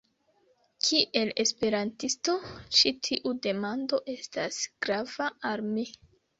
Kiel Esperantisto, ĉi tiu demando estas grava al mi.